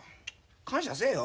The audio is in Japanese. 感謝せえよ。